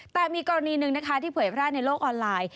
แต่มีกรณีหนึ่งนะคะที่เผยแพร่ในโลกออนไลน์